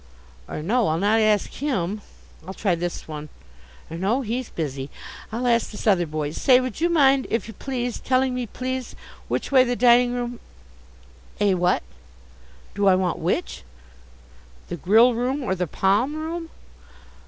Or no, I'll not ask him. I'll try this one or no, he's busy. I'll ask this other boy. Say, would you mind, if you please, telling me, please, which way the dining room Eh, what? Do I want which? The grill room or the palm room?